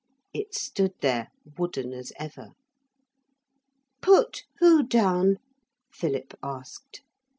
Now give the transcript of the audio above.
It stood there, wooden as ever. 'Put who down?' Philip asked.